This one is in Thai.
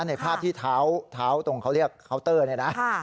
ในภาพที่เท้าตรงเขาเรียกเคาน์เตอร์เนี่ยนะ